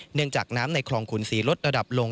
เนื่องจากน้ำในคลองขุนศรีลดระดับลง